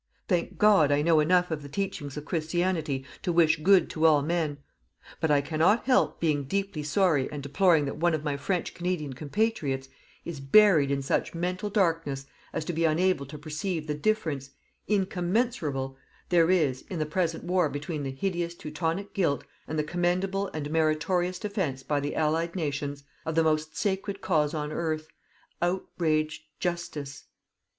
Thank God, I know enough of the teachings of Christianity to wish good to all men. But I cannot help being deeply sorry and deploring that one of my French Canadian compatriots is buried in such mental darkness as to be unable to perceive the difference incommensurable there is in the present war between the hideous Teutonic guilt, and the commendable and meritorious defence by the Allied nations of the most sacred cause on earth: outraged Justice.